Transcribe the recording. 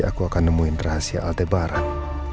aku akan nemuin rahasia altebaran